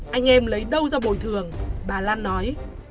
anh em lấy đâu ra bồi thường bà lan nói